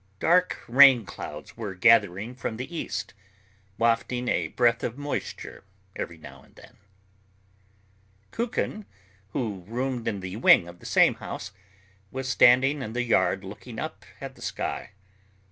Dark rain clouds were gathering from the east, wafting a breath of moisture every now and then. Kukin, who roomed in the wing of the same house, was standing in the yard looking up at the sky.